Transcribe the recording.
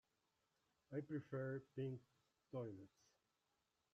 I prefer pink toilets.